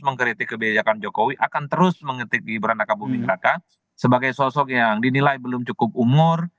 mengkritik kebijakan jokowi akan terus mengetik gibran raka buming raka sebagai sosok yang dinilai belum cukup umur